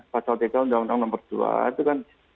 pasal tiga undang undang nomor dua itu kan